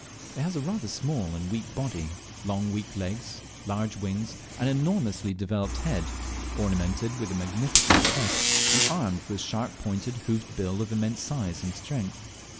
It has a rather small and weak body, long weak legs, large wings, and an enormously developed head, ornamented with a magnificent crest, and armed with a sharp pointed hoofed bill of immense size and strength.